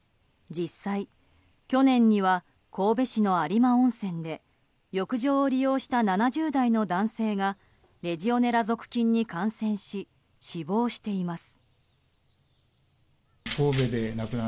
実際、去年には神戸市の有馬温泉で浴場を利用した７０代の男性がレジオネラ属菌に感染し死亡しています。